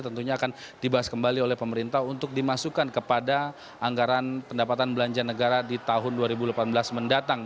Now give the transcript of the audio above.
tentunya akan dibahas kembali oleh pemerintah untuk dimasukkan kepada anggaran pendapatan belanja negara di tahun dua ribu delapan belas mendatang